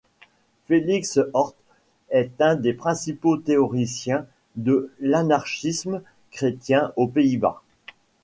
Félix Ortt est un des principaux théoriciens de l'anarchisme chrétien aux Pays-Bas.